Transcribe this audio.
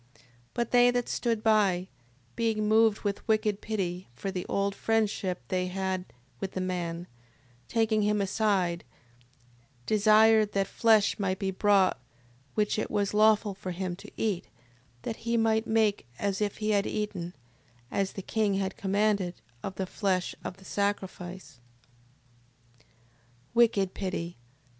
6:21. But they that stood by, being moved with wicked pity, for the old friendship they had with the man, taking him aside, desired that flesh might be brought which it was lawful for him to eat, that he might make as if he had eaten, as the king had commanded, of the flesh of the sacrifice: Wicked pity...